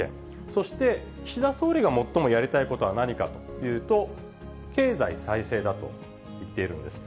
そして、岸田総理が最もやりたいことは何かというと、経済再生だと言っているんです。